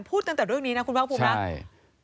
พูดตั้งแต่เรื่องนี้นะคุณภาคภูมินะใช่